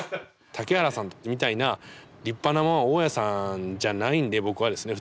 竹原さんみたいな立派な大家さんじゃないんで僕はですね